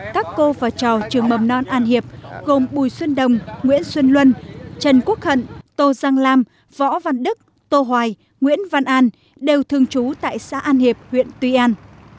các cô và trò trường mầm non an hiệp gồm bùi xuân đồng nguyễn xuân luân trần quốc hận tô giang lam võ văn đức tô hoài nguyễn văn an đều thường trú tại xã an hiệp huyện tuy an